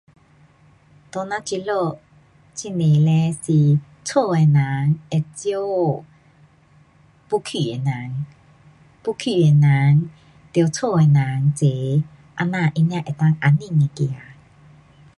在咱这里，很多嘞是家的人，会照顾要去的人，要去的人得家的人齐。这样他才能够安心地走。